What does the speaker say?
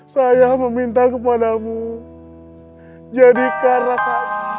saya meminta kepadamu jadikan rasa